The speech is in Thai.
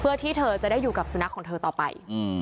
เพื่อที่เธอจะได้อยู่กับสุนัขของเธอต่อไป